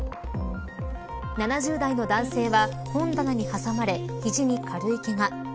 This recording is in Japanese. ７０代の男性は本棚に挟まれ肘に軽いけが。